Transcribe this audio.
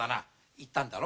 行ったんだろ？